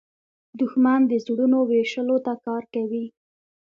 دښمن د زړونو ویشلو ته کار کوي